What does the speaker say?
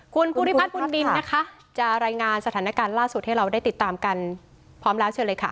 คุณภูริพัฒนบุญนินนะคะจะรายงานสถานการณ์ล่าสุดให้เราได้ติดตามกันพร้อมแล้วเชิญเลยค่ะ